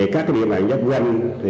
các địa mạng giáp doanh